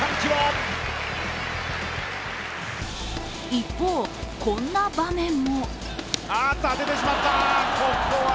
一方、こんな場面も。